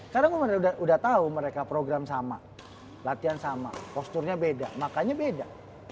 karena gue udah tau mereka program sama latihan sama posturnya beda makanya beda